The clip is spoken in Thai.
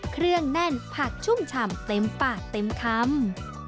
เครื่องแน่นผักชุ่มฉ่ำเต็มปากเต็มคำ